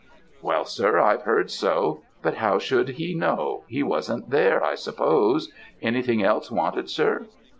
"'Well, sir, I've heard so; but how should he know? He wasn't there, I suppose. Anything else wanted, sir?'